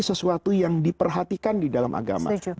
sesuatu yang diperhatikan di dalam agama